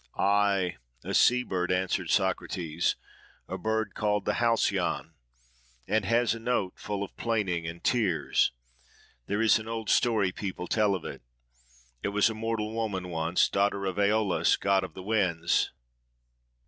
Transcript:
"Aye! a sea bird," answered Socrates, "a bird called the Halcyon, and has a note full of plaining and tears. There is an old story people tell of it. It was a mortal woman once, daughter of Aeolus, god of the winds.